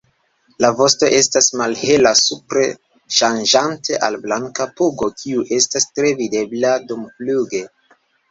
La vosto estas malhela supre ŝanĝante al blanka pugo kiu estas tre videbla dumfluge.